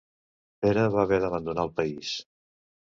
Pere va haver d'abandonar el país.